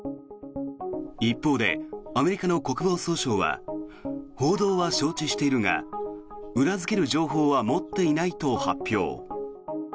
一方で、アメリカの国防総省は報道は承知しているが裏付ける情報は持っていないと発表。